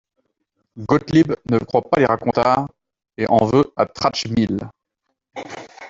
Gottlieb ne croit pas les racontars et en veut à Tratschmiedl.